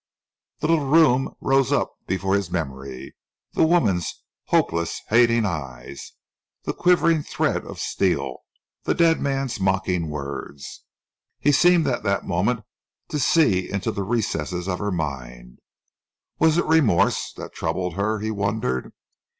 The little room rose up before his memory the woman's hopeless, hating eyes, the quivering thread of steel, the dead man's mocking words. He seemed at that moment to see into the recesses of her mind. Was it remorse that troubled her, he wondered?